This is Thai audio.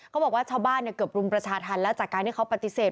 เขาบอกว่าชาวบ้านเกือบรุมประชาธรรมแล้วจากการที่เขาปฏิเสธ